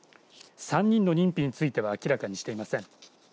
３人の認否については明らかにしていません。